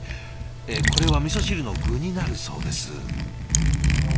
これはみそ汁の具になるそうです。